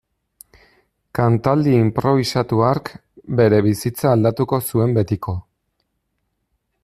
Kantaldi inprobisatu hark bere bizitza aldatuko zuen betiko.